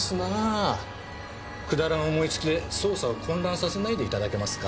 くだらん思いつきで捜査を混乱させないでいただけますか。